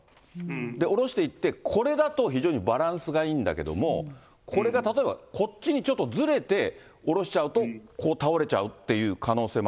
降ろしていって、これだと非常にバランスがいいんだけれども、これが例えば、こっちにちょっとずれて降ろしちゃうとこう倒れちゃうっていう可